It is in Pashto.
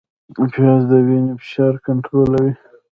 پیاز د وینې فشار کنټرولوي